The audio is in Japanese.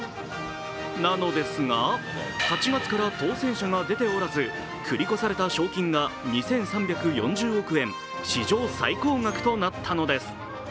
なのですが、８月から当せん者が出ておらず繰り越された賞金が２３４０億円史上最高額となったのです。